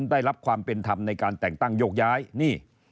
ได้รับความเป็นธรรมในการแต่งตั้งโยกย้ายนี่